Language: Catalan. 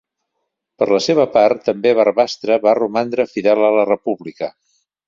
Per la seva part, també Barbastre va romandre fidel a la República.